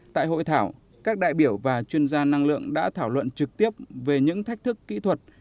tại hội thảo các đại biểu và chuyên gia năng lượng đã thảo luận trực tiếp về những thách thức kỹ thuật